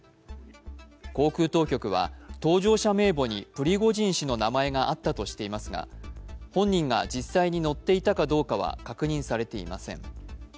航空当局は搭乗者名簿にプリゴジン氏の名前があったとしていますが本人が実際に乗っていたかどうかは確認されていません。